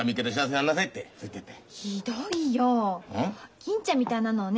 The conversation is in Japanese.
銀ちゃんみたいなのをね